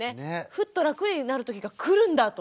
ふっと楽になる時が来るんだと。